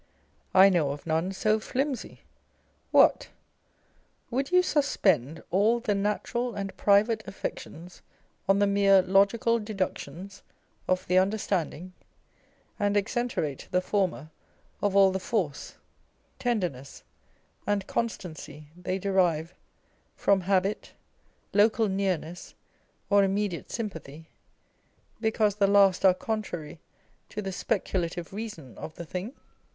I know of none so flimsy. What ! would you suspend all the natural and private affections on the mere logical deductions of the Understanding, and exenterate the former of all the force, tenderness r and constancy they derive from habit, local nearness or immediate sympathy, because the last arc contrary to the speculative reason of the thing?